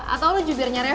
atau lu jubirnya